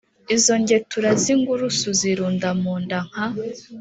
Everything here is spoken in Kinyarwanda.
Izo ngetura z'ingurusu zirunda mu nda nka